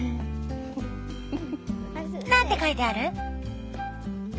何て書いてある？